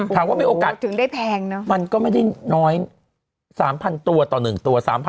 มีโอกาสถึงได้แพงเนอะมันก็ไม่ได้น้อย๓๐๐ตัวต่อ๑ตัว๓๐๐